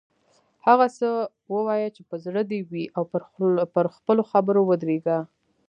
هغه څه ووایه چې په زړه دې وي او پر خپلو خبرو ودریږه.